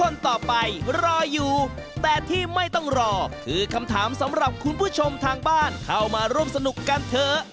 ในทางบ้านเข้ามาร่วมสนุกกันเถอะ